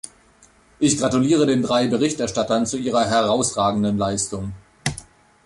Ich gratuliere den drei Berichterstattern zu ihrer herausragenden Leistung.